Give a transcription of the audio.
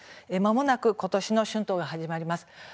まもなく、ことしの春闘が始まります。